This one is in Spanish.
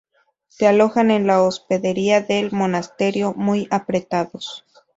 Se alojan en la hospedería del monasterio, muy apretados.